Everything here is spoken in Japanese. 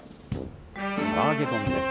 から揚げ丼です。